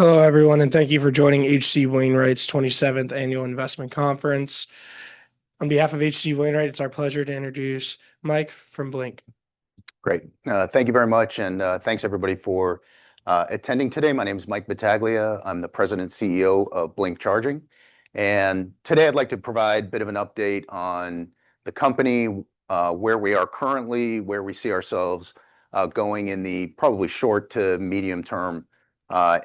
Hello, everyone, and thank you for joining H.C. Wainwright's 27th Annual Investment Conference. On behalf of H.C. Wainwright, it's our pleasure to introduce Mike from Blink. Great. Thank you very much, and thanks, everybody, for attending today. My name is Mike Battaglia. I'm the President and CEO of Blink Charging. And today, I'd like to provide a bit of an update on the company, where we are currently, where we see ourselves going in the probably short to medium-term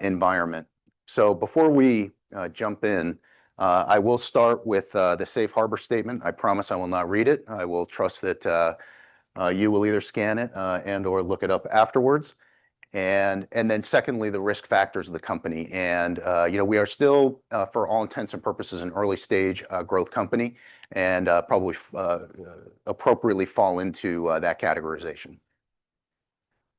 environment. So before we jump in, I will start with the safe harbor statement. I promise I will not read it. I will trust that you will either scan it and/or look it up afterwards. And then secondly, the risk factors of the company. And we are still, for all intents and purposes, an early-stage growth company and probably appropriately fall into that categorization.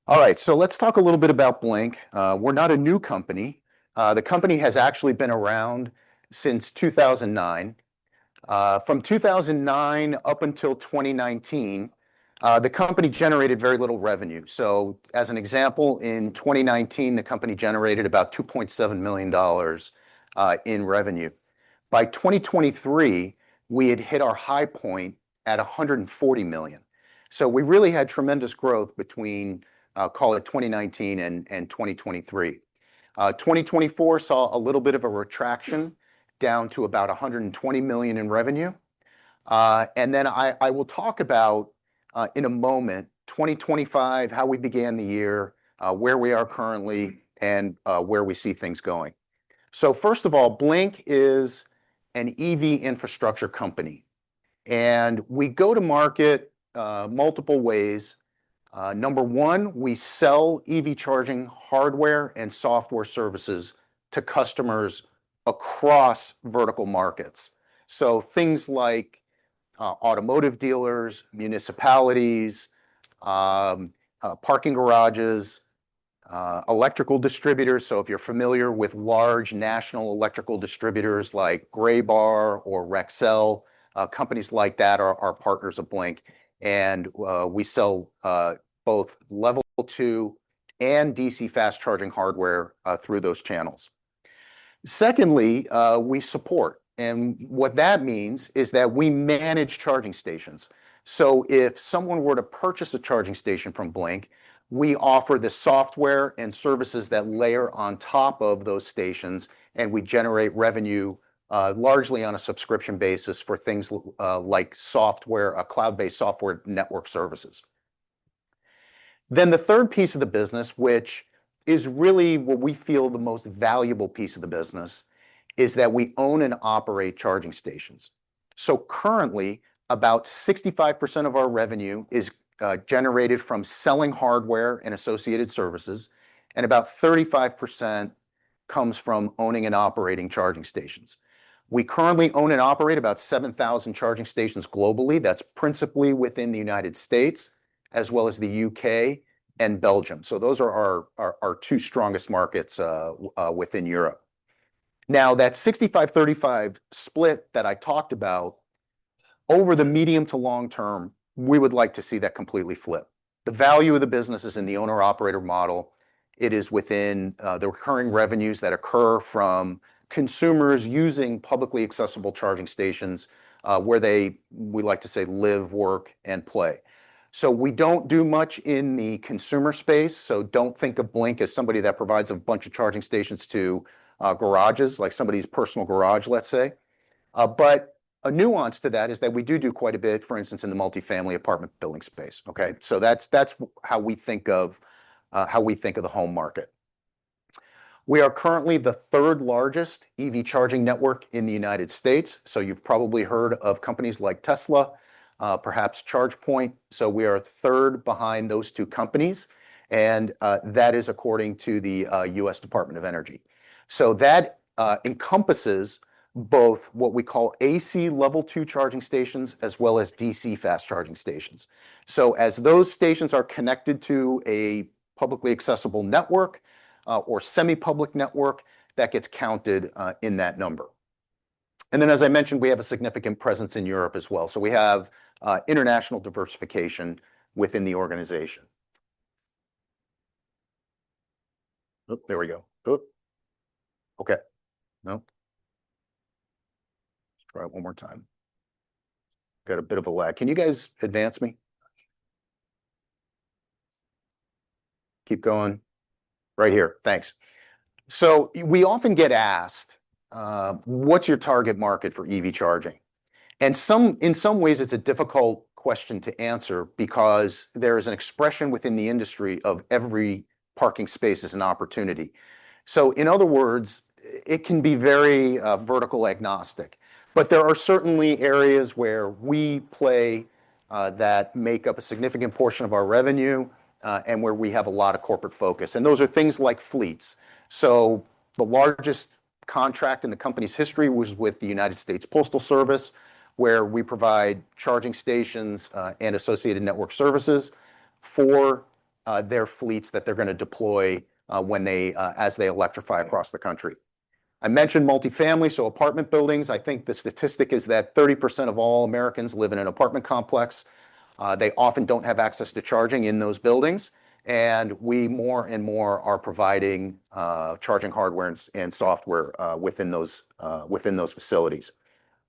All right, so let's talk a little bit about Blink. We're not a new company. The company has actually been around since 2009. From 2009 up until 2019, the company generated very little revenue. So as an example, in 2019, the company generated about $2.7 million in revenue. By 2023, we had hit our high point at $140 million. So we really had tremendous growth between, call it, 2019 and 2023. 2024 saw a little bit of a contraction down to about $120 million in revenue. And then I will talk about, in a moment, 2025, how we began the year, where we are currently, and where we see things going. So first of all, Blink is an EV infrastructure company. And we go to market multiple ways. Number one, we sell EV charging hardware and software services to customers across vertical markets. So things like automotive dealers, municipalities, parking garages, electrical distributors. So if you're familiar with large national electrical distributors like Graybar or Rexel, companies like that are partners of Blink. We sell both Level 2 and DC Fast Charging hardware through those channels. Secondly, we support, and what that means is that we manage charging stations. So if someone were to purchase a charging station from Blink, we offer the software and services that layer on top of those stations, and we generate revenue largely on a subscription basis for things like software, cloud-based software network services. Then the third piece of the business, which is really what we feel the most valuable piece of the business, is that we own and operate charging stations. So currently, about 65% of our revenue is generated from selling hardware and associated services, and about 35% comes from owning and operating charging stations. We currently own and operate about 7,000 charging stations globally. That's principally within the United States, as well as the U.K. and Belgium. Those are our two strongest markets within Europe. Now, that 65/35 split that I talked about, over the medium to long term, we would like to see that completely flip. The value of the business is in the owner-operator model. It is within the recurring revenues that occur from consumers using publicly accessible charging stations, where they, we like to say, live, work, and play. So we don't do much in the consumer space. So don't think of Blink as somebody that provides a bunch of charging stations to garages, like somebody's personal garage, let's say. But a nuance to that is that we do do quite a bit, for instance, in the multifamily apartment building space. Okay? So that's how we think of the home market. We are currently the third largest EV charging network in the United States. You've probably heard of companies like Tesla, perhaps ChargePoint. We are third behind those two companies. That is according to the U.S. Department of Energy. That encompasses both what we call AC Level 2 charging stations as well as DC fast charging stations. As those stations are connected to a publicly accessible network or semi-public network, that gets counted in that number. Then, as I mentioned, we have a significant presence in Europe as well. We have international diversification within the organization. Oh, there we go. Oop. Okay. No. Try it one more time. Got a bit of a lag. Can you guys advance me? Keep going. Right here. Thanks. So we often get asked, "What's your target market for EV charging?" And in some ways, it's a difficult question to answer because there is an expression within the industry of every parking space is an opportunity. So in other words, it can be very vertical agnostic. But there are certainly areas where we play that make up a significant portion of our revenue and where we have a lot of corporate focus. And those are things like fleets. So the largest contract in the company's history was with the United States Postal Service, where we provide charging stations and associated network services for their fleets that they're going to deploy as they electrify across the country. I mentioned multifamily, so apartment buildings. I think the statistic is that 30% of all Americans live in an apartment complex. They often don't have access to charging in those buildings. We more and more are providing charging hardware and software within those facilities.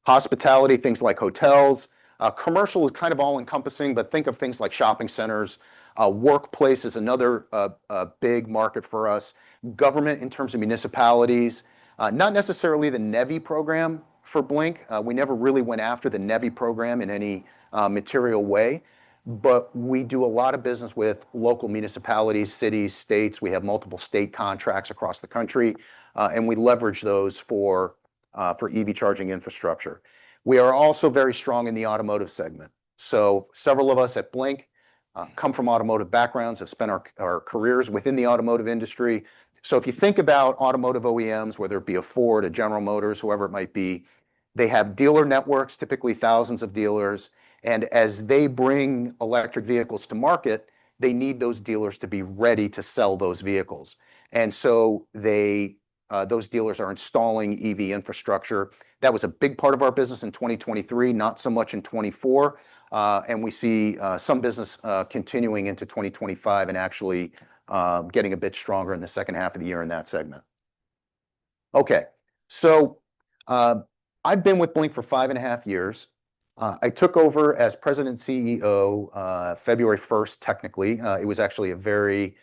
Hospitality, things like hotels. Commercial is kind of all-encompassing, but think of things like shopping centers. Workplace is another big market for us. Government in terms of municipalities. Not necessarily the NEVI program for Blink. We never really went after the NEVI program in any material way. We do a lot of business with local municipalities, cities, states. We have multiple state contracts across the country. We leverage those for EV charging infrastructure. We are also very strong in the automotive segment. Several of us at Blink come from automotive backgrounds, have spent our careers within the automotive industry. If you think about automotive OEMs, whether it be a Ford, a General Motors, whoever it might be, they have dealer networks, typically thousands of dealers. And as they bring electric vehicles to market, they need those dealers to be ready to sell those vehicles. And so those dealers are installing EV infrastructure. That was a big part of our business in 2023, not so much in 2024. And we see some business continuing into 2025 and actually getting a bit stronger in the second half of the year in that segment. Okay. So I've been with Blink for five and a half years. I took over as President and CEO February 1st, technically. It was actually a very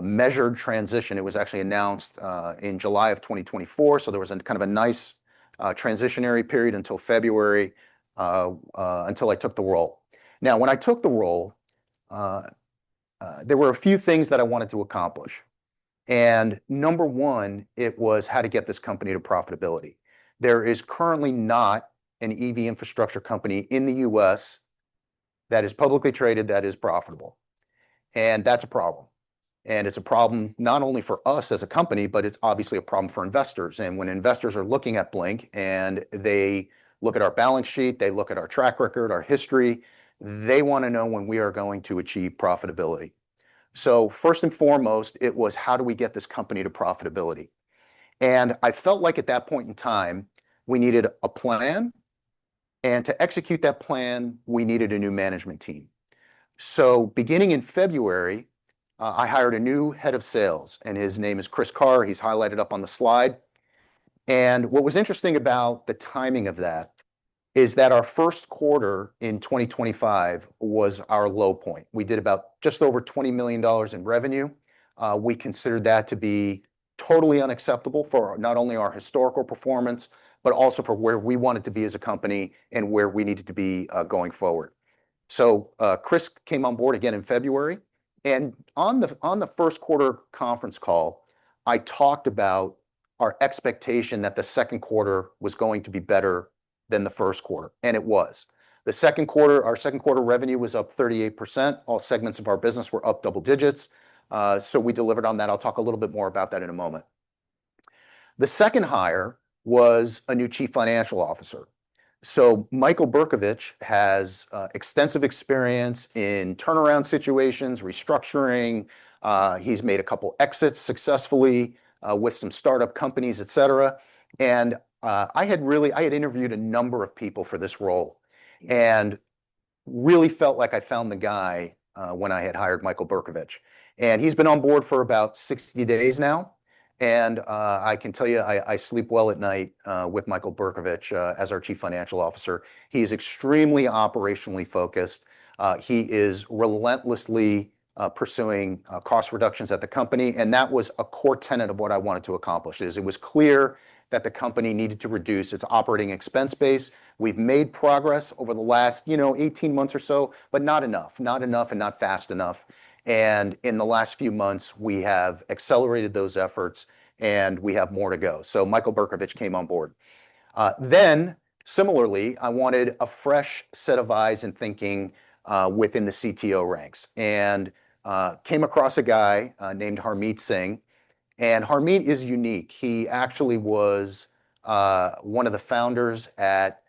measured transition. It was actually announced in July of 2024. So there was kind of a nice transitionary period until February until I took the role. Now, when I took the role, there were a few things that I wanted to accomplish. And number one, it was how to get this company to profitability. There is currently not an EV infrastructure company in the U.S. that is publicly traded that is profitable. And that's a problem. And it's a problem not only for us as a company, but it's obviously a problem for investors. And when investors are looking at Blink and they look at our balance sheet, they look at our track record, our history, they want to know when we are going to achieve profitability. So first and foremost, it was how do we get this company to profitability? And I felt like at that point in time, we needed a plan. And to execute that plan, we needed a new management team. So beginning in February, I hired a new head of sales, and his name is Chris Carr. He's highlighted up on the slide. What was interesting about the timing of that is that our first quarter in 2025 was our low point. We did about just over $20 million in revenue. We considered that to be totally unacceptable for not only our historical performance, but also for where we wanted to be as a company and where we needed to be going forward. Chris came on board again in February. On the first quarter conference call, I talked about our expectation that the second quarter was going to be better than the first quarter. It was. Our second quarter revenue was up 38%. All segments of our business were up double digits. We delivered on that. I'll talk a little bit more about that in a moment. The second hire was a new Chief Financial Officer. Michael Bercovich has extensive experience in turnaround situations, restructuring. He's made a couple of exits successfully with some startup companies, etc., and I had interviewed a number of people for this role and really felt like I found the guy when I had hired Michael Bercovich, and he's been on board for about 60 days now, and I can tell you, I sleep well at night with Michael Bercovich as our Chief Financial Officer. He is extremely operationally focused. He is relentlessly pursuing cost reductions at the company, and that was a core tenet of what I wanted to accomplish. It was clear that the company needed to reduce its operating expense base. We've made progress over the last 18 months or so, but not enough, not enough, and not fast enough, and in the last few months, we have accelerated those efforts, and we have more to go, so Michael Bercovich came on board. Then, similarly, I wanted a fresh set of eyes and thinking within the CTO ranks and came across a guy named Harmeet Singh. And Harmeet is unique. He actually was one of the founders at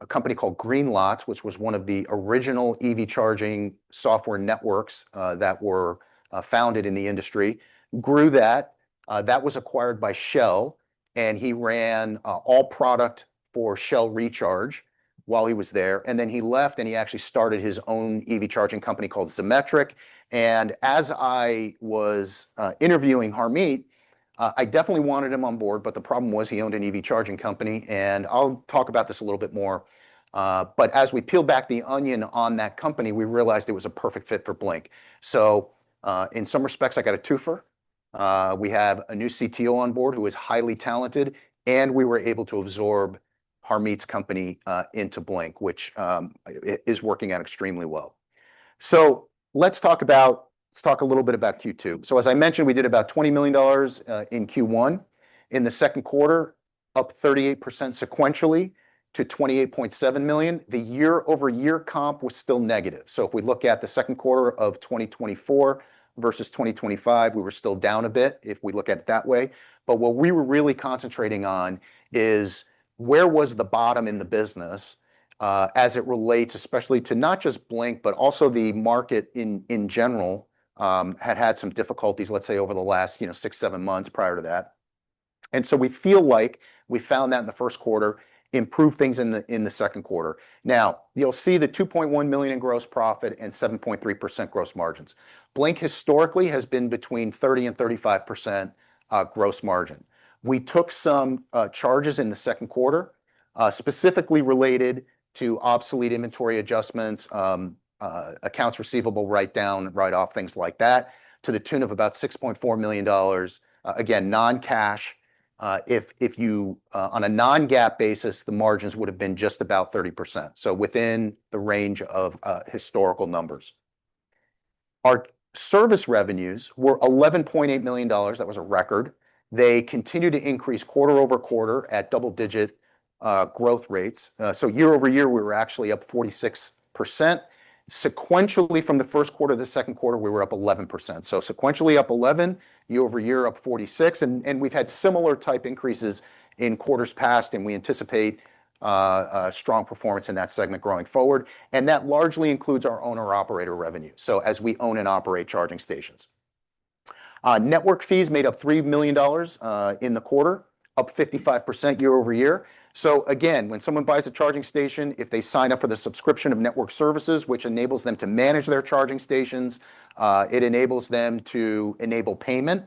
a company called Greenlots, which was one of the original EV charging software networks that were founded in the industry, grew that. That was acquired by Shell. And he ran all product for Shell Recharge while he was there. And then he left, and he actually started his own EV charging company called Zometric. And as I was interviewing Harmeet, I definitely wanted him on board. But the problem was he owned an EV charging company. And I'll talk about this a little bit more. But as we peel back the onion on that company, we realized it was a perfect fit for Blink. So in some respects, I got a twofer. We have a new CTO on board who is highly talented, and we were able to absorb Harmeet's company into Blink, which is working out extremely well, so let's talk a little bit about Q2, so as I mentioned, we did about $20 million in Q1. In the second quarter, up 38% sequentially to $28.7 million. The year-over-year comp was still negative, so if we look at the second quarter of 2024 versus 2025, we were still down a bit if we look at it that way, but what we were really concentrating on is where was the bottom in the business as it relates, especially to not just Blink, but also the market in general had had some difficulties, let's say, over the last six, seven months prior to that, and so we feel like we found that in the first quarter, improved things in the second quarter. Now, you'll see the $2.1 million in gross profit and 7.3% gross margins. Blink historically has been between 30%-35% gross margin. We took some charges in the second quarter specifically related to obsolete inventory adjustments, accounts receivable write-down, write-off, things like that, to the tune of about $6.4 million. Again, non-cash. If you on a non-GAAP basis, the margins would have been just about 30%. So within the range of historical numbers. Our service revenues were $11.8 million. That was a record. They continue to increase quarter over quarter at double-digit growth rates. So year-over-year, we were actually up 46%. Sequentially, from the first quarter to the second quarter, we were up 11%. So sequentially up 11%, year-over-year up 46%. And we've had similar type increases in quarters past, and we anticipate strong performance in that segment going forward. And that largely includes our owner-operator revenue. As we own and operate charging stations, network fees made up $3 million in the quarter, up 55% year-over-year. So again, when someone buys a charging station, if they sign up for the subscription of network services, which enables them to manage their charging stations, it enables them to enable payment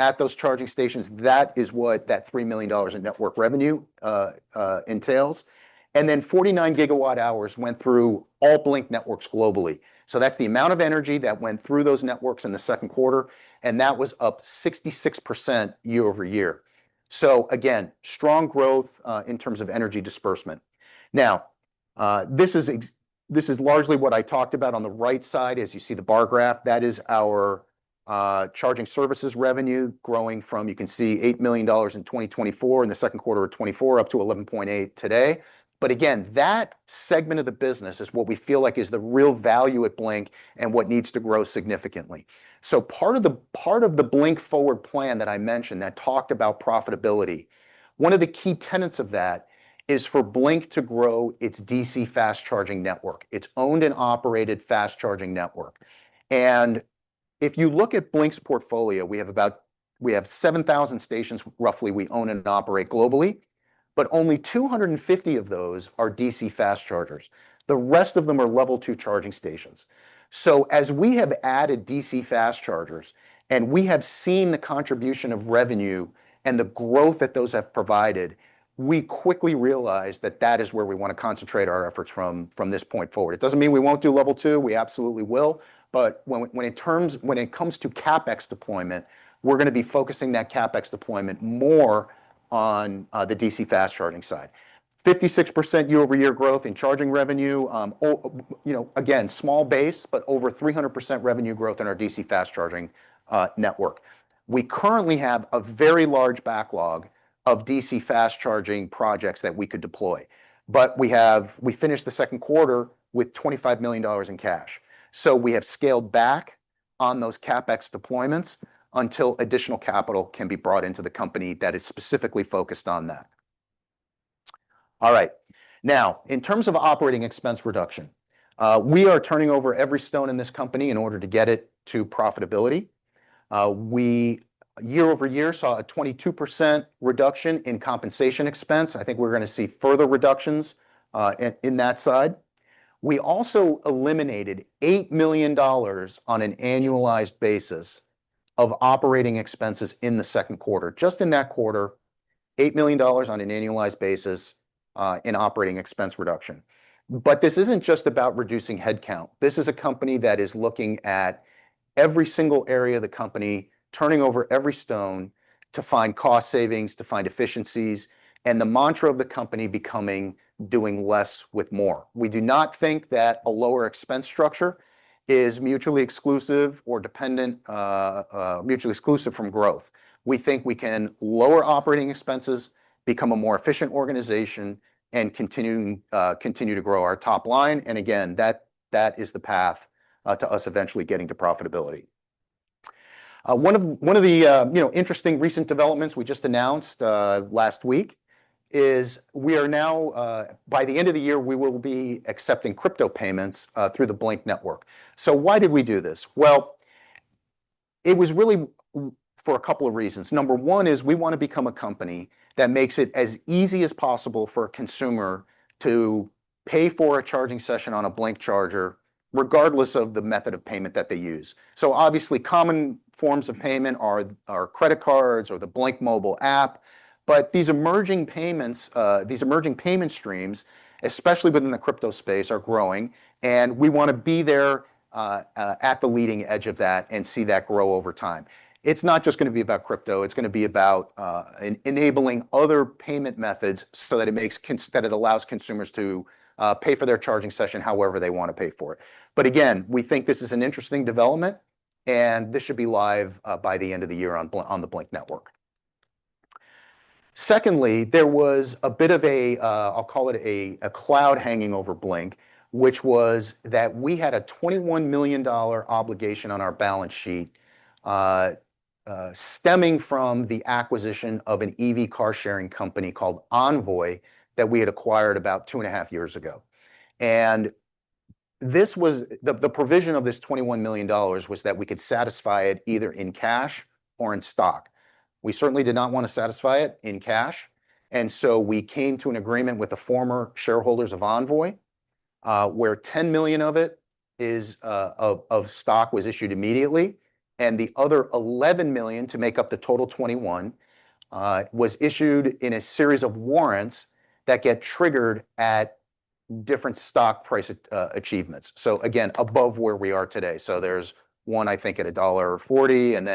at those charging stations. That is what that $3 million in network revenue entails. And then 49 gigawatt hours went through all Blink networks globally. So that's the amount of energy that went through those networks in the second quarter. And that was up 66% year-over-year. So again, strong growth in terms of energy disbursement. Now, this is largely what I talked about on the right side. As you see the bar graph, that is our charging services revenue growing from, you can see, $8 million in 2024 in the second quarter of 2024 up to 11.8 today. But again, that segment of the business is what we feel like is the real value at Blink and what needs to grow significantly. So part of the Blink forward plan that I mentioned that talked about profitability, one of the key tenets of that is for Blink to grow its DC fast charging network. It's owned and operated fast charging network. And if you look at Blink's portfolio, we have about 7,000 stations, roughly, we own and operate globally, but only 250 of those are DC fast chargers. The rest of them are level two charging stations. So as we have added DC fast chargers and we have seen the contribution of revenue and the growth that those have provided, we quickly realized that that is where we want to concentrate our efforts from this point forward. It doesn't mean we won't do Level 2. We absolutely will. But when it comes to CapEx deployment, we're going to be focusing that CapEx deployment more on the DC fast charging side. 56% year-over-year growth in charging revenue. Again, small base, but over 300% revenue growth in our DC fast charging network. We currently have a very large backlog of DC fast charging projects that we could deploy. But we finished the second quarter with $25 million in cash. So we have scaled back on those CapEx deployments until additional capital can be brought into the company that is specifically focused on that. All right. Now, in terms of operating expense reduction, we are turning over every stone in this company in order to get it to profitability. We year-over-year saw a 22% reduction in compensation expense. I think we're going to see further reductions in that side. We also eliminated $8 million on an annualized basis of operating expenses in the second quarter. Just in that quarter, $8 million on an annualized basis in operating expense reduction. But this isn't just about reducing headcount. This is a company that is looking at every single area of the company, turning over every stone to find cost savings, to find efficiencies, and the mantra of the company becoming doing less with more. We do not think that a lower expense structure is mutually exclusive or dependent mutually exclusive from growth. We think we can lower operating expenses, become a more efficient organization, and continue to grow our top line. And again, that is the path to us eventually getting to profitability. One of the interesting recent developments we just announced last week is we are now, by the end of the year, we will be accepting crypto payments through the Blink Network. So why did we do this? Well, it was really for a couple of reasons. Number one is we want to become a company that makes it as easy as possible for a consumer to pay for a charging session on a Blink charger, regardless of the method of payment that they use. So obviously, common forms of payment are credit cards or the Blink Mobile App. But these emerging payments, these emerging payment streams, especially within the crypto space, are growing, and we want to be there at the leading edge of that and see that grow over time. It's not just going to be about crypto. It's going to be about enabling other payment methods so that it allows consumers to pay for their charging session however they want to pay for it. But again, we think this is an interesting development, and this should be live by the end of the year on the Blink Network. Secondly, there was a bit of a, I'll call it a cloud hanging over Blink, which was that we had a $21 million obligation on our balance sheet stemming from the acquisition of an EV car-sharing company called Envoy that we had acquired about two and a half years ago. And the provision of this $21 million was that we could satisfy it either in cash or in stock. We certainly did not want to satisfy it in cash. We came to an agreement with the former shareholders of Envoy where 10 million of stock was issued immediately. The other 11 million to make up the total 21 was issued in a series of warrants that get triggered at different stock price achievements. Again, above where we are today. There's one, I think, at $1.40, and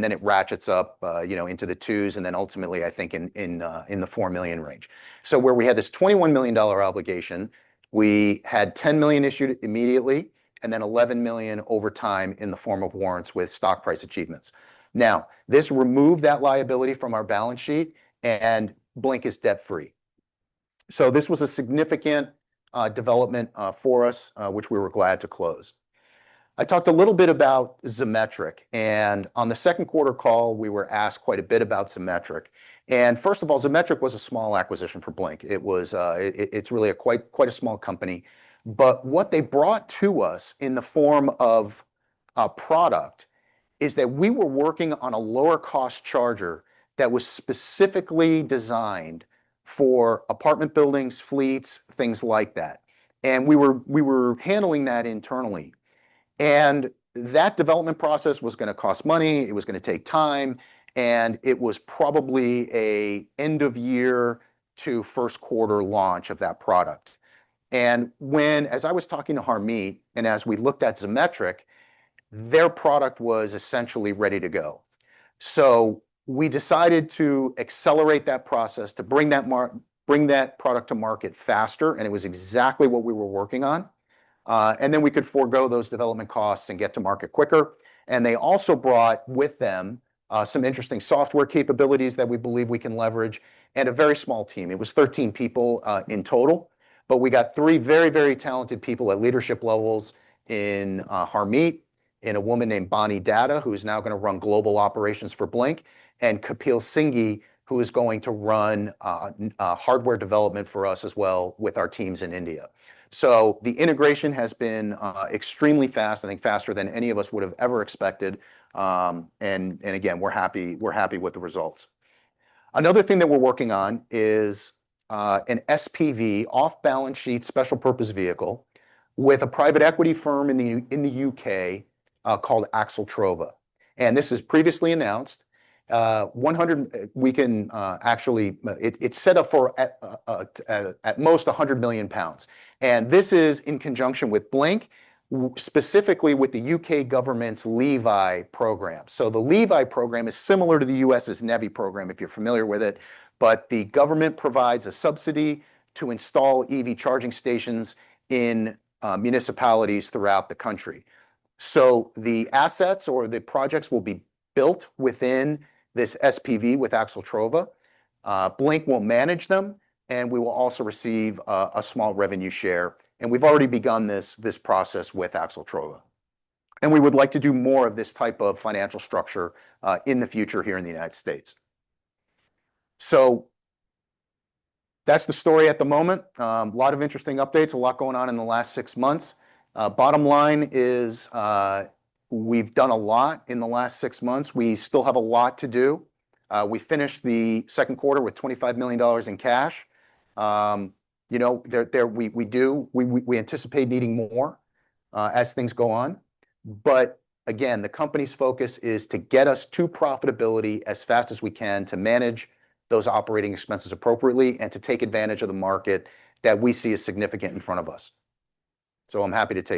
then it ratchets up into the twos, and then ultimately, I think, in the $4 million range. Where we had this $21 million obligation, we had 10 million issued immediately and then 11 million over time in the form of warrants with stock price achievements. This removed that liability from our balance sheet, and Blink is debt-free. This was a significant development for us, which we were glad to close. I talked a little bit about Zometric. And on the second quarter call, we were asked quite a bit about Zometric. And first of all, Zometric was a small acquisition for Blink. It's really quite a small company. But what they brought to us in the form of a product is that we were working on a lower-cost charger that was specifically designed for apartment buildings, fleets, things like that. And we were handling that internally. And that development process was going to cost money. It was going to take time. And it was probably an end-of-year to first-quarter launch of that product. And as I was talking to Harmeet and as we looked at Zometric, their product was essentially ready to go. So we decided to accelerate that process to bring that product to market faster. And it was exactly what we were working on. Then we could forego those development costs and get to market quicker. They also brought with them some interesting software capabilities that we believe we can leverage and a very small team. It was 13 people in total. We got three very, very talented people at leadership levels in Harmeet, and a woman named Bonnie Datta, who is now going to run global operations for Blink, and Kapil Singhi, who is going to run hardware development for us as well with our teams in India. The integration has been extremely fast, I think faster than any of us would have ever expected. We're happy with the results. Another thing that we're working on is an SPV, off-balance sheet special purpose vehicle, with a private equity firm in the U.K. called Avolt. This is previously announced. We can actually, it's set up for at most 100 million pounds. And this is in conjunction with Blink, specifically with the U.K. government's LEVI program. So the LEVI program is similar to the U.S.'s NEVI program, if you're familiar with it. But the government provides a subsidy to install EV charging stations in municipalities throughout the country. So the assets or the projects will be built within this SPV with Avolt. Blink will manage them, and we will also receive a small revenue share. And we've already begun this process with Avolt. And we would like to do more of this type of financial structure in the future here in the United States. So that's the story at the moment. A lot of interesting updates, a lot going on in the last six months. Bottom line is we've done a lot in the last six months. We still have a lot to do. We finished the second quarter with $25 million in cash. We anticipate needing more as things go on. But again, the company's focus is to get us to profitability as fast as we can to manage those operating expenses appropriately and to take advantage of the market that we see as significant in front of us. So I'm happy to.